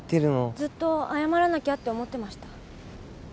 ずっと謝らなきゃって思ってました。